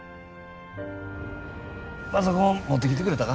パソコン持ってきてくれたか？